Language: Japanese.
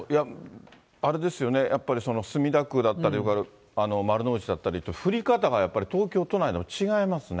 あれですよね、やっぱり墨田区だったり、丸の内だったりと、降り方がやっぱり東京都内でも違いますね。